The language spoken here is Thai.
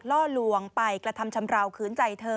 ล่อลวงไปกระทำชำราวขืนใจเธอ